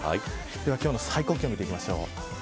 では、今日の最高気温を見ていきましょう。